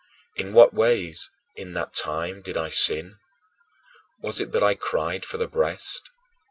In what ways, in that time, did I sin? Was it that I cried for the breast?